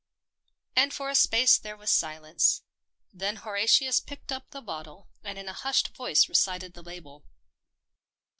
And for a space there was silence. Then Horatius picked up the bottle, and in a hushed voice recited the label.